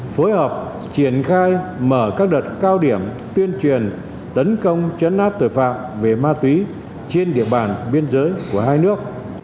phối hợp triển khai mở các đợt cao điểm tuyên truyền tấn công chấn áp tội phạm về ma túy trên địa bàn biên giới của hai nước